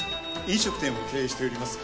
飲食店を経営しております。